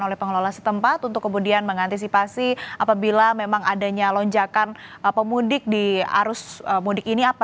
oleh pengelola setempat untuk kemudian mengantisipasi apabila memang adanya lonjakan pemudik di arus mudik ini